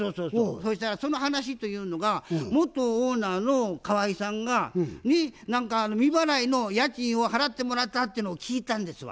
そしたらその話というのが元オーナーの河井さんが未払いの家賃を払ってもらったっていうのを聞いたんですわ。